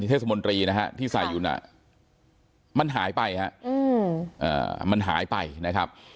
เทศมนตรีนะฮะที่ใส่อยู่น่ะมันหายไปฮะมันหายไปนะครับ